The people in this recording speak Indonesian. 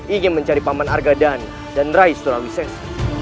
ingin mencari paman argadhan dan rais surawises